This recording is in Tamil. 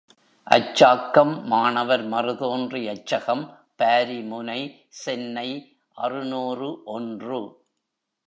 அச்சாக்கம் மாணவர் மறுதோன்றி அச்சகம், பாரிமுனை, சென்னை அறுநூறு ஒன்று.